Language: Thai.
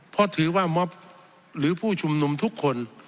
เพราะถือว่ามอบหรือผู้ชุมนุมทุกคน